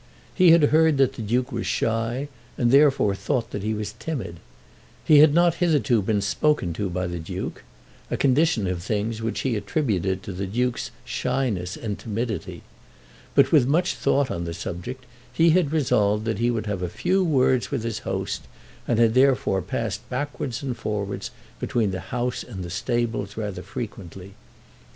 He had heard that the Duke was shy, and therefore thought that he was timid. He had not hitherto been spoken to by the Duke, a condition of things which he attributed to the Duke's shyness and timidity. But, with much thought on the subject, he had resolved that he would have a few words with his host, and had therefore passed backwards and forwards between the house and the stables rather frequently.